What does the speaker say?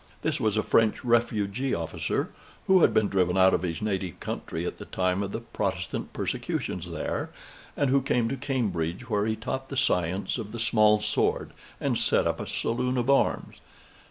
This was a French refugee officer, who had been driven out of his native country at the time of the Protestant persecutions there, and who came to Cambridge, where he taught the science of the small sword, and set up a saloon of arms.